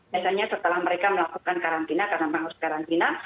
misalnya setelah mereka melakukan karantina karena harus karantina